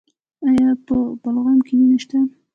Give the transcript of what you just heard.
ایا په بلغم کې وینه شته؟